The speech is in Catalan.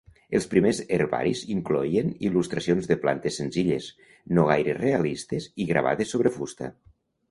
Els primers herbaris incloïen il·lustracions de plantes senzilles, no gaire realistes i gravades sobre fusta.